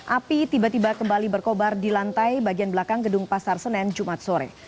api tiba tiba kembali berkobar di lantai bagian belakang gedung pasar senen jumat sore